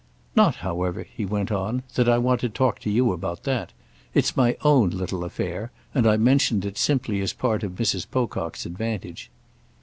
"Not, however," he went on, "that I want to talk to you about that. It's my own little affair, and I mentioned it simply as part of Mrs. Pocock's advantage."